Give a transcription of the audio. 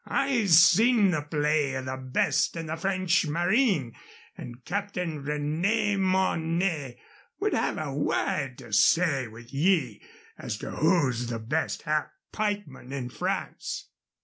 I've seen the play of the best in the French Marine, and Captain René Mornay would have a word to say with ye as to who's the best half pikeman in France."